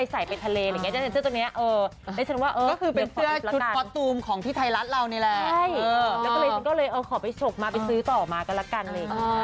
แล้วก็เลยจังก็เลยเอาขอไปชกมาไปซื้อต่อมาก็แล้วกันเลย